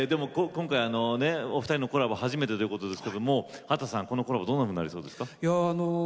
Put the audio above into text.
今回、お二人のコラボ初めてということですけど秦さん、このコラボどんなふうになりそうですか？